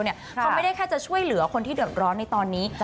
เขาไม่ได้แค่จะช่วยเหลือคนที่เดือดร้อนในตอนนี้